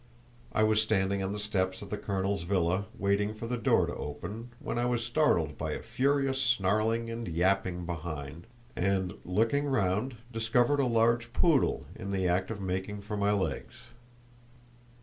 I was standing on the steps of the colonel's villa, waiting for the door to open, when I was startled by a furious snarling and yapping behind, and, looking round, discovered a large poodle in the act of making for my legs.